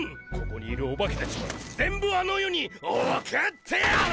ここにいるオバケたちは全部あの世に送ってやる！